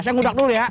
saya ngudak dulu ya